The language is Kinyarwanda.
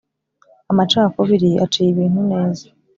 Amacakubiri aciye ibintu neza